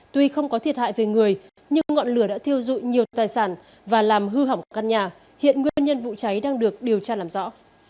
tuy không có thiệt hại về người nhưng ngọn lửa đã thiêu dụi nhiều tài sản và làm hư hỏng căn nhà hiện nguyên nhân vụ cháy đang được điều tra làm rõ